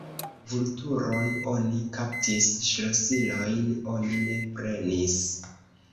Vulturon oni kaptis, ŝlosilojn oni ne prenis!